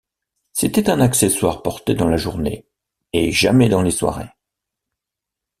C'était un accessoire porté dans la journée et jamais dans les soirées.